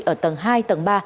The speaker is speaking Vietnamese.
ở tầng hai tầng ba